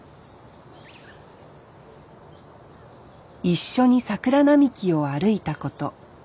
一緒に桜並木を歩いたこと。